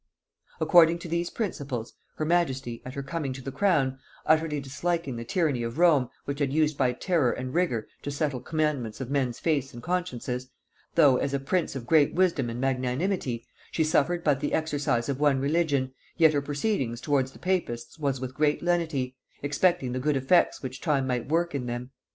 "According to these principles, her majesty, at her coming to the crown, utterly disliking the tyranny of Rome, which had used by terror and rigor to settle commandments of men's faiths and consciences; though, as a prince of great wisdom and magnanimity, she suffered but the exercise of one religion, yet her proceedings towards the papists was with great lenity, expecting the good effects which time might work in them.